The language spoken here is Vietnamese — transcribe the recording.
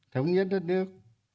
thống nhất đất nước